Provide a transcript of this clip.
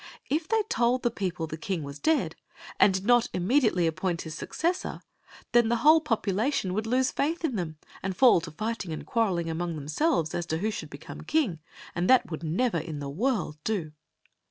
If they told the people the king was dead, and did not immediately appoint his successor, then the whole population would lose faith in them and fall to fight ing and quarreling among themselves as to who should become king; and that would never in the world do.